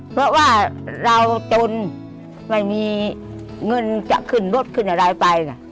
เพราะว่าเราจนไม่มีเงินจะขึ้นรถขึ้นอะไรไป